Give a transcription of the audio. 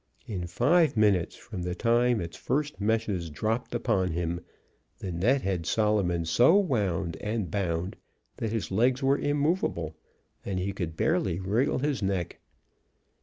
In five minutes from the time its first meshes dropped upon him, the net had Solomon so wound and bound that his legs were immovable, and he could barely wriggle his neck.